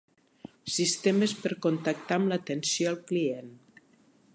Sistemes per contactar amb l'atenció al client.